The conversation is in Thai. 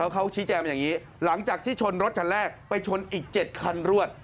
เขาชี้แจงอย่างนี้หลังจากที่ชนรถคันแรกไปชนอีก๗คันรวด